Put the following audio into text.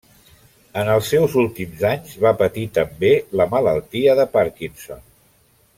En els seus últims anys va patir també la malaltia de Parkinson.